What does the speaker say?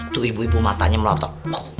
itu ibu ibu matanya melotot